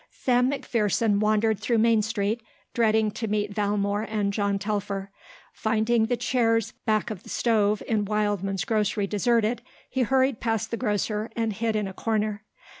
Sam McPherson wandered through Main Street, dreading to meet Valmore and John Telfer. Finding the chairs back of the stove in Wildman's grocery deserted, he hurried past the grocer and hid in a corner.